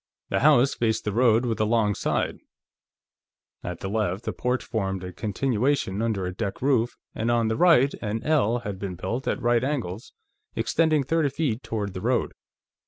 The house faced the road with a long side; at the left, a porch formed a continuation under a deck roof, and on the right, an ell had been built at right angles, extending thirty feet toward the road.